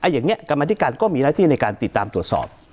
อย่างนี้กรรมธิการก็มีหน้าที่ในการติดตามตรวจสอบ